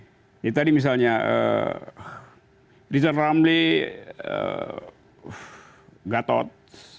jadi tadi misalnya richard ramley gatot